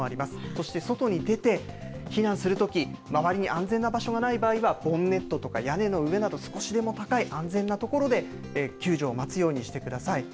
そして外に出て、避難するとき、周りに安全な場所がない場合には、ボンネットとか屋根の上など、少しでも高い安全な所で救助を待つようにしてください。